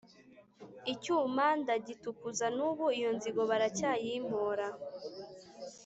Icyuma ndagitukuza n’ubu iyo nzigo baracyayimpora!